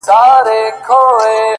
خدايه دا ټپه مي په وجود كي ده.!